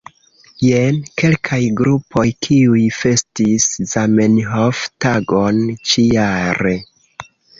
Jen kelkaj grupoj, kiuj festis Zamenhof-tagon ĉi-jare.